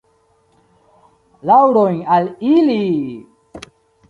Laŭrojn al ili!